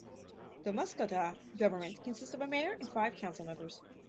The Muscotah government consists of a mayor and five council members.